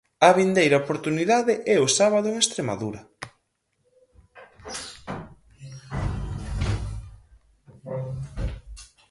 A vindeira oportunidade é o sábado en Estremadura.